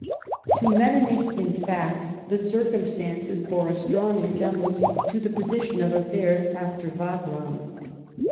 To Metternich, in fact, the circumstances bore a strong resemblance to the position of affairs after Wagram.